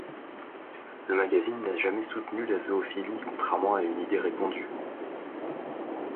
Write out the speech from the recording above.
Le magazine n'a jamais soutenu la zoophilie, contrairement à une idée répandue.